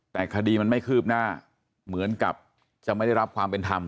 แต่คดีมันไม่คืบหน้าเหมือนกับจะไม่ได้รับความเป็นธรรม